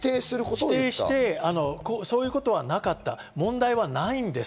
否定して、そういうことはなかった、問題はないんです。